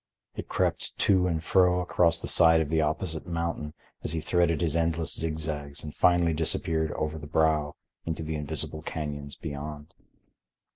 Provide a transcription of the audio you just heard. It crept to and fro across the side of the opposite mountain as he threaded its endless zigzags and finally disappeared over the brow into the invisible canyons beyond.